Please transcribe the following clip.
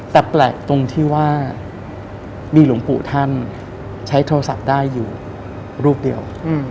แต่แปลกตรงที่ว่ามีหลวงปู่ท่านใช้โทรศัพท์ได้อยู่รูปเดียว